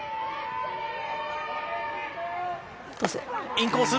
インコース！